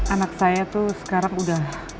anak saya tuh sekarang udah